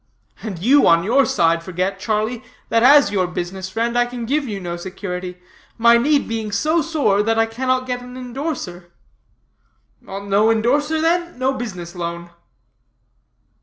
"And you, on your side, forget, Charlie, that as your business friend I can give you no security; my need being so sore that I cannot get an indorser." "No indorser, then, no business loan."